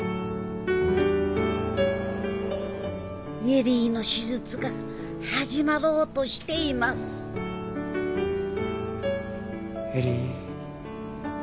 恵里の手術が始まろうとしています恵里。